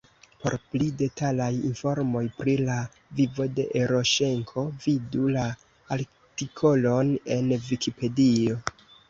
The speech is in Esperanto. Por pli detalaj informoj pri la vivo de Eroŝenko vidu la artikolon en Vikipedio.